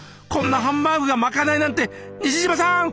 こんなハンバーグがまかないなんて西島さん